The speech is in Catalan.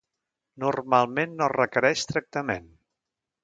Normalment no es requereix tractament.